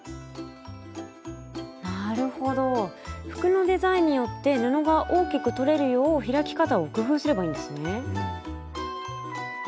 なるほど服のデザインによって布が大きくとれるよう開き方を工夫すればいいんですね。